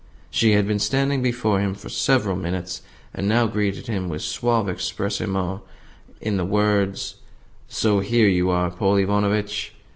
She had been standing before him for several minutes, and now greeted him with suave expressement and the words, "So HERE you are, Paul Ivanovitch!"